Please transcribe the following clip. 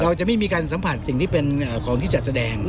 เราจะไม่มีการสัมผัสสิ่งที่เป็นของที่จัดแสดง